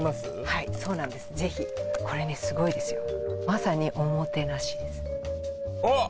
はいそうなんですぜひこれねすごいですよまさにおもてなしですあっ！